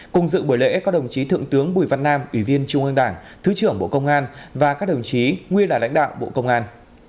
cùng dự buổi lễ có đồng chí thượng tướng bùi văn nam ủy viên trung ương đảng thứ trưởng bộ công an và các đồng chí nguyên là lãnh đạo bộ công an